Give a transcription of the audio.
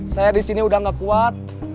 saya di sini udah gak kuat